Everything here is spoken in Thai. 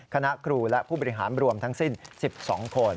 คณะครูและผู้บริหารรวมทั้งสิ้น๑๒คน